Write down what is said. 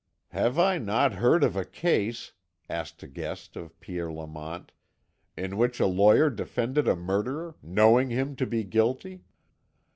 "Have I not heard of a case," asked a guest of Pierre Lamont, "in which a lawyer defended a murderer, knowing him to be guilty?"